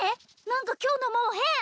何か今日の桃変！